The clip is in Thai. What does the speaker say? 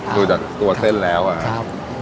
ดูจากตัวเส้นแล้วอะครับ